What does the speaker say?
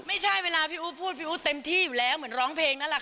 ไม่ใช่เวลาพี่อู๋พูดพี่อู๋เต็มที่อยู่แล้วเหมือนร้องเพลงนั่นแหละค่ะ